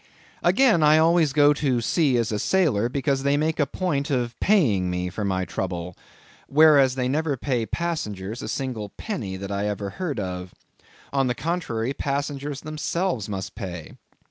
Again, I always go to sea as a sailor, because they make a point of paying me for my trouble, whereas they never pay passengers a single penny that I ever heard of. On the contrary, passengers themselves must pay.